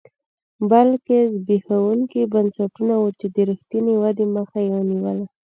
بلکې زبېښونکي بنسټونه وو چې د رښتینې ودې مخه یې نیوله